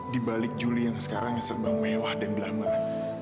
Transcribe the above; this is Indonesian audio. di balik juli yang sekarang serbang mewah dan belambang